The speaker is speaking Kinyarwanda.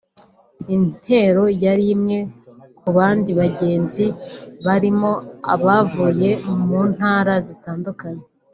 Intero yari imwe ku bandi bagenzi barimo abavuye mu ntara zitandukanye